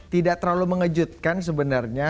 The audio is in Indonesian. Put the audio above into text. tidak terlalu mengejutkan sebenarnya